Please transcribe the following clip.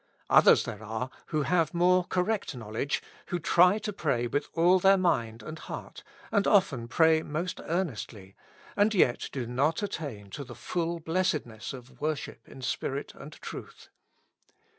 Others there are, who have more correct knowledge, who try to pray with all their mind and heart, and often pray most earnestly, and yet do not attain to the full blessedness of wor ship in spirit and truth.